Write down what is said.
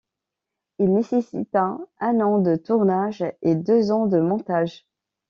Il nécessita un an de tournage et deux ans de montage.